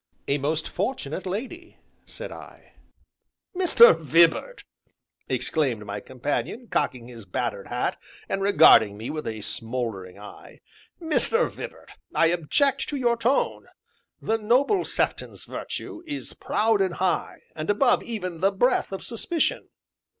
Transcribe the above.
"A most fortunate lady!" said I. "Mr. Vibart!" exclaimed my companion, cocking his battered hat and regarding me with a smouldering eye, "Mr. Vibart, I object to your tone; the noble Sefton's virtue is proud and high, and above even the breath of suspicion."